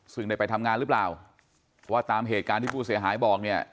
ซึ่งได้ไปทำงานหรือเปล่าว่าตามเหตุการณ์ที่ผู้เสียหายบอกเนี่ย